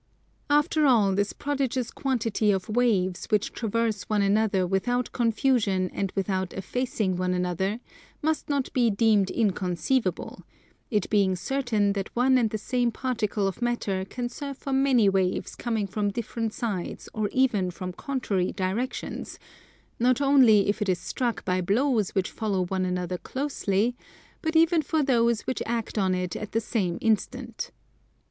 After all, this prodigious quantity of waves which traverse one another without confusion and without effacing one another must not be deemed inconceivable; it being certain that one and the same particle of matter can serve for many waves coming from different sides or even from contrary directions, not only if it is struck by blows which follow one another closely but even for those which act on it at the same instant.